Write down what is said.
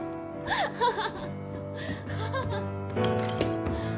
ハハハ。